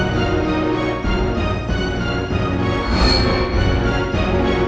kamu pasti karim kan